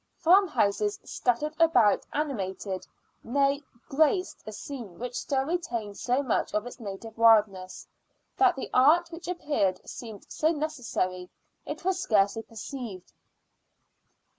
Farm houses scattered about animated, nay, graced a scene which still retained so much of its native wildness, that the art which appeared seemed so necessary, it was scarcely perceived.